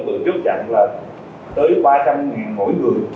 được chốt chặn là tới ba trăm linh nghìn mỗi người